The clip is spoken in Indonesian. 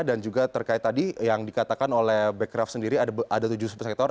dan juga terkait tadi yang dikatakan oleh bekraf sendiri ada tujuh subsektor